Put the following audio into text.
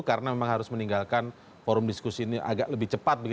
karena memang harus meninggalkan forum diskusi ini agak lebih cepat